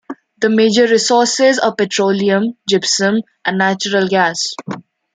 The major resources are petroleum, gypsum and natural gas.